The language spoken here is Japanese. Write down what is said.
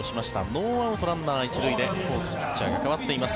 ノーアウト、ランナー１塁でホークスピッチャーが代わっています。